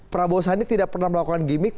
prabowo sandi tidak pernah melakukan gimmick